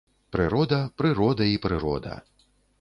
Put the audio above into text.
Прырода, прырода і прырода.